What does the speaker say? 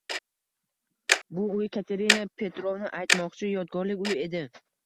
Bu uy, Katerina Petrovna aytmoqchi, “yodgorlik uy” edi.